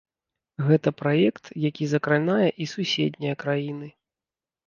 Гэта праект, які закранае і суседнія краіны.